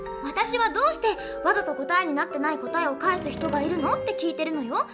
私は「どうしてわざと答えになってない答えを返す人がいるの？」って聞いてるのよ。